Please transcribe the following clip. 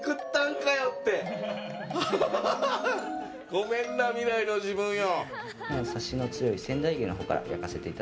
ごめんな、未来の自分よ。